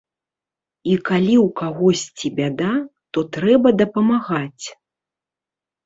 І калі ў кагосьці бяда, то трэба дапамагаць.